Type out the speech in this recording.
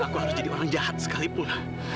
aku harus jadi orang jahat sekalipun